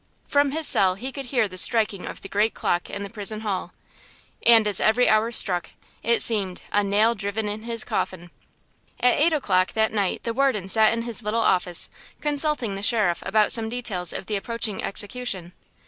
From his cell he could hear the striking of the great clock in the prison hall. And as every hour struck it seemed "a nail driven in his coffin." At eight o'clock that night the warden sat in his little office, consulting the sheriff about some details of the approaching execution.